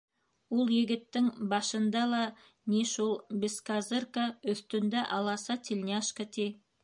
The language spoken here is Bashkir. Ул егеттең башында ла, ни, шул бескозырка, өҫтөндә аласа тельняшка, ти.